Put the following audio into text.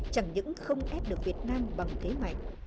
chẳng những không ép được việt nam bằng thế mạnh